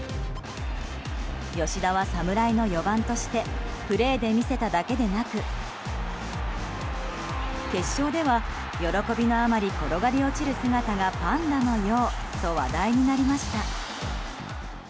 吉田は侍の４番としてプレーで見せただけでなく決勝では、喜びのあまり転がり落ちる姿がパンダのようと話題になりました。